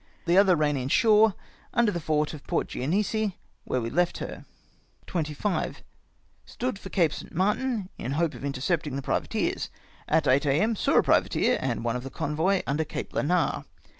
The other ran in shore under the fort of Port Genoese, where we left her. "25. — Stood for Cape St. Martin, in hope of intercepting the privateers. At 8 a.m. saw a privateer and one of the convoy under Cape Lanar.